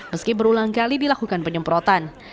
meski berulang kali dilakukan penyemprotan